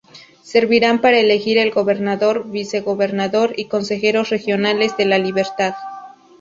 Servirán para elegir al gobernador, vicegobernador y consejeros regionales de La Libertad.